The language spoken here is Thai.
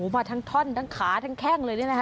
มาทั้งท่อนทั้งขาทั้งแข้งเลย